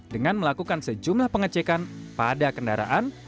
dengan melakukan sejumlah pengecekan pada kendaraan